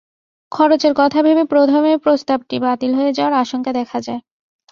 খরচের কথা ভেবে প্রথমেই প্রস্তাবটি বাতিল হয়ে যাওয়ার আশঙ্কা দেখা দেয়।